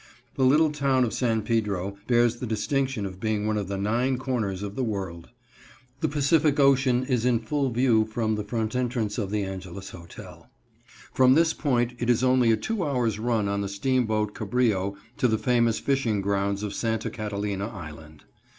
The little town of San Pedro bears the distinction of being one of the nine corners of the world. The Pacific Ocean is in full view from the front entrance of the Angelus Hotel. From this point it is only a two hours run on the steamboat Cabrillo to the famous fishing grounds of Santa Catalina Island.